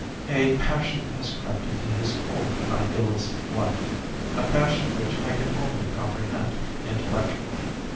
A passion has crept into his cold and idealistic life. A passion which I can only comprehend intellectually.